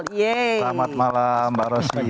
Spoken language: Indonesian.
selamat malam mbak rosi